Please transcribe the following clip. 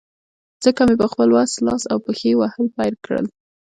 ځکه مې په خپل وس، لاس او پښې وهل پیل کړل.